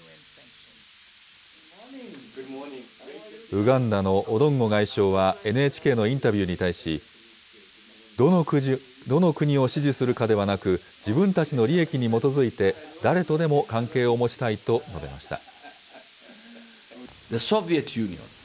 ウガンダのオドンゴ外相はＮＨＫのインタビューに対し、どの国を支持するかではなく、自分たちの利益に基づいて、誰とでも関係を持ちたいと述べました。